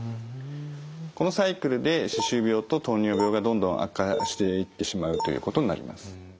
このサイクルで歯周病と糖尿病がどんどん悪化していってしまうということになります。